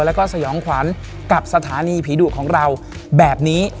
แล้วก็สยองขวัญกับสถานีผีดุของเราแบบนี้